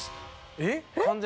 えっ？